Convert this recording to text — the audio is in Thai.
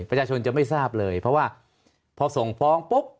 ประชาชนจะไม่ทราบเลยเพราะว่าพอส่งฟ้องปุ๊บ